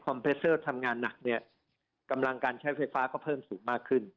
เพสเตอร์ทำงานหนักเนี่ยกำลังการใช้ไฟฟ้าก็เพิ่มสูงมากขึ้น